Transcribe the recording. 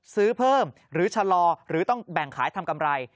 ซื้อเพิ่มหรือชะลอหรือต้องแบ่งขายทำกำไร